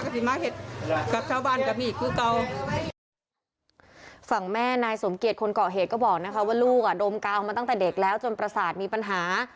ฝั่งแม่นายสมเกียจคนเกาะเหตุก็บอกนะคะว่าลูกอ่ะดมกาวมาตั้งแต่เด็กแล้วจนประสาทมีปัญหา